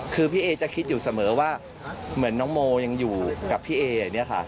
คือพี่เอจะคิดอยู่เสมอว่าเหมือนน้องโมยังอยู่กับพี่เออย่างนี้ค่ะ